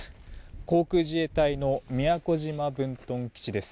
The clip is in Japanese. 航空自衛隊の宮古島分屯基地です。